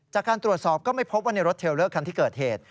จากการตรวจสอบก็ไม่พบว่าในรถเทลเลอร์คันที่เกิดเหตุ